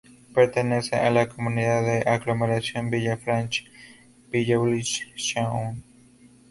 Pertenece a la comunidad de aglomeración Villefranche-Beaujolais-Saône.